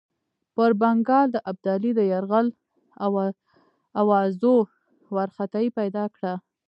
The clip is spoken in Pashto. پر بنګال د ابدالي د یرغل آوازو وارخطایي پیدا کړه.